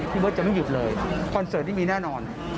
พี่เบิร์ตจะไม่หยุดเลยคอนเสิร์ตนี้มีแน่นอน